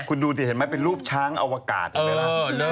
คุณดูสิเห็นไหมเป็นรูปช้างอวกาศนะ